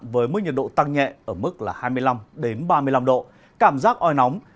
với mức nhiệt độ tăng nhẹ ở mức là hai mươi năm ba mươi năm độ cảm giác oi nóng